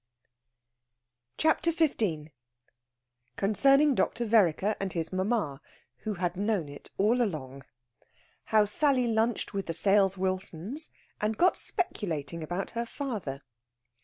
CHAPTER XV CONCERNING DR. VEREKER AND HIS MAMMA, WHO HAD KNOWN IT ALL ALONG. HOW SALLY LUNCHED WITH THE SALES WILSONS, AND GOT SPECULATING ABOUT HER FATHER.